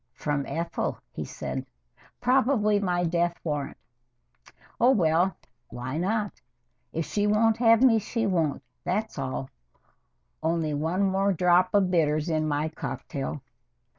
"From Ethel," he said. "Probably my death warrant. Oh, well why not? If she won't have me, she won't, that's all. Only one more drop of bitters in my cocktail.